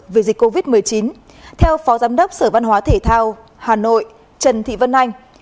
vì dịch covid một mươi chín theo phó giám đốc sở văn hóa thể thao hà nội trần thị vân anh